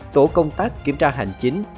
tổ công tác kiểm tra hành chính